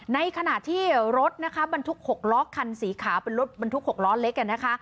ในขณะที่รถนะคะบรรทุก๖ล้อคันสีขาวเป็นรถบรรทุก๖ล้อเล็กนะคะ